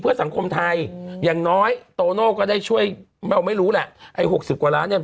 เพื่อสังคมไทยอย่างน้อยโตโน่ก็ได้ช่วยเราไม่รู้แหละไอ้๖๐กว่าล้านเนี่ย